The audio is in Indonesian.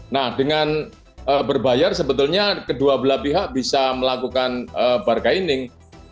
nah dengan berbayar sebetulnya kedua belah pihak bisa melakukan bargaining